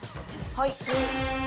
はい。